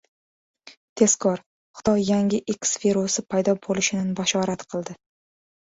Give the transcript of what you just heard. Tezkor! Xitoy yangi "X virusi" paydo bo‘lishini bashorat qildi